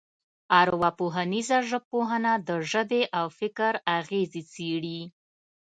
ارواپوهنیزه ژبپوهنه د ژبې او فکر اغېزې څېړي